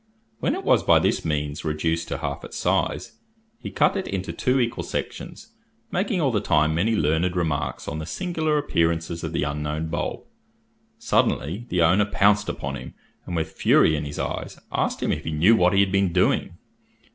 When it was by this means reduced to half its size, he cut it into two equal sections, making all the time many learned remarks on the singular appearances of the unknown bulb. Suddenly, the owner pounced upon him, and, with fury in his eyes, asked him if he knew what he had been doing?